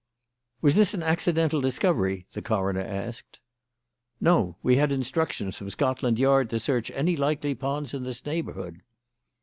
"Was this an accidental discovery?" the coroner asked. "No. We had instructions from Scotland Yard to search any likely ponds in this neighbourhood."